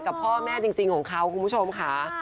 กับพ่อแม่จริงของเขาคุณผู้ชมค่ะ